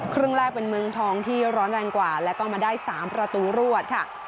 ครึ่งแรกเป็นเมืองทองที่ร้อนแรงกว่าแล้วก็มาได้๓ประตูรวดค่ะ